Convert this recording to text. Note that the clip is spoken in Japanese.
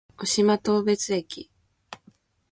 渡島当別駅